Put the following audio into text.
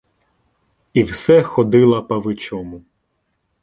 І все ходила павичом.